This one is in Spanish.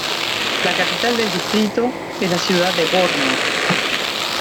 La capital del distrito es la ciudad de Borna.